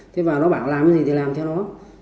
thế mà nó bảo làm cái gì thì làm theo nó